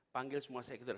panggil semua sektor